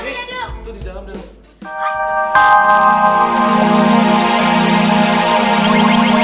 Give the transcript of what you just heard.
kita tidur di dalam dulu